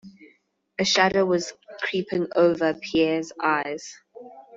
A shadow was creeping over Pierre's eyes.